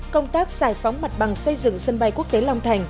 công tác giải phóng mặt bằng xây dựng sân bay quốc tế long thành